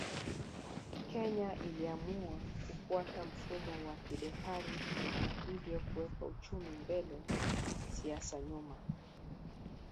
Kenya iliamua kufuata mfumo wa kibepari na hivyo kuweka uchumi mbele siasa nyuma